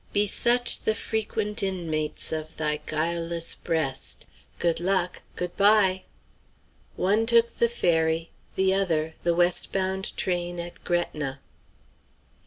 Be such The frequent inmates of thy guileless breast.' "Good luck! Good by!" One took the ferry; the other, the west bound train at Gretna.